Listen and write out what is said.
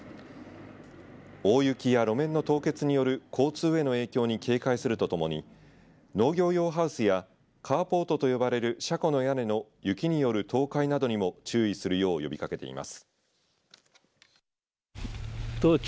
大雪や路面の凍結による交通への影響に警戒するとともに農業用ハウスやカーポートと呼ばれる車庫の屋根の雪による倒壊などにも注意するよう呼びかけています。